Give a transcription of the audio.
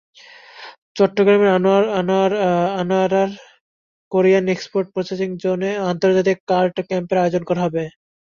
চট্টগ্রামের আনোয়ারায় Korean export processing জোনে আন্তর্জাতিক আর্ট ক্যাম্পের আয়োজন করা হবে।